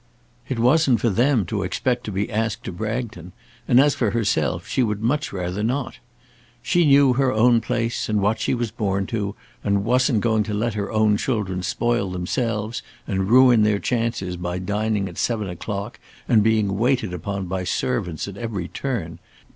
It wasn't for them to expect to be asked to Bragton, and as for herself she would much rather not. She knew her own place and what she was born to, and wasn't going to let her own children spoil themselves and ruin their chances by dining at seven o'clock and being waited upon by servants at every turn.